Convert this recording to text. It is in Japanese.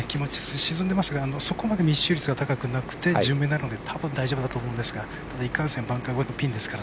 沈んでますがそこまで密集率は高くなくて順目なのでたぶん、大丈夫だと思うんですがいかんせんバンカーのピンですから。